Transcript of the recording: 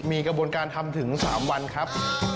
มีกระบวนการทำถึง๓วันครับ